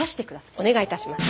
お願いいたします。